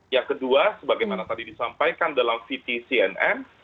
yang kedua sebagaimana tadi disampaikan dalam vtcnn